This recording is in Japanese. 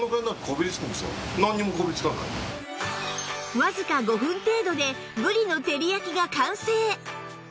わずか５分程度でぶりの照り焼きが完成